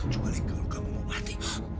kembali kalau kamu mau mati